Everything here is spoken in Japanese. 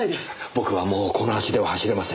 僕はもうこの足では走れません。